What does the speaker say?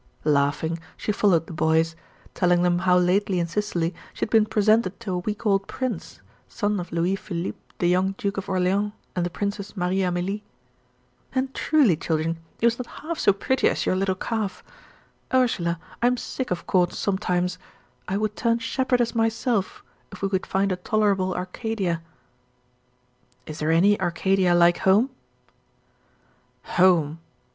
Laughing, she followed the boys; telling them how lately in Sicily she had been presented to a week old prince, son of Louis Philippe the young Duke of Orleans and the Princess Marie Amelie. "And truly, children, he was not half so pretty as your little calf. Ursula, I am sick of courts sometimes. I would turn shepherdess myself, if we could find a tolerable Arcadia." "Is there any Arcadia like home?"